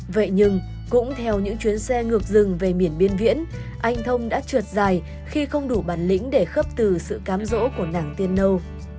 vậy nhưng cũng theo những chuyến xe ngược dừng về miền biên viễn anh thông đã trượt dài khi không đủ bản lĩnh để khấp từ sự cám rỗ của nàng tiên nâu